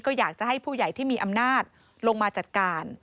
ก็อยากจะให้ผู้ใหญ่ที่มีอำนาจลงมาจัดการ